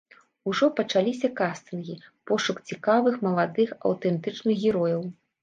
Ужо пачаліся кастынгі, пошук цікавых маладых аўтэнтычных герояў.